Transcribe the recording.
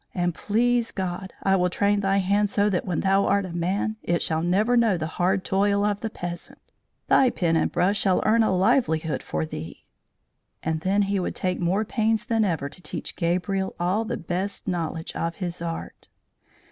And, please God, I will train thy hand so that when thou art a man it shall never know the hard toil of the peasant. Thy pen and brush shall earn a livelihood for thee!" And then he would take more pains than ever to teach Gabriel all the best knowledge of his art.